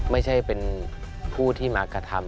ไม่ใช่เป็นผู้ที่มากระทำ